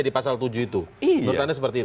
di pasal tujuh itu menurut anda seperti itu